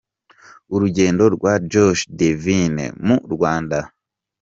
Urugendo rwa Josh Devine mu Rwanda.